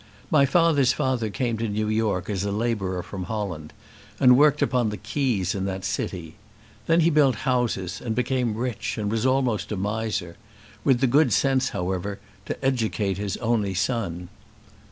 My father's father came to New York as a labourer from Holland, and worked upon the quays in that city. Then he built houses, and became rich, and was almost a miser; with the good sense, however, to educate his only son.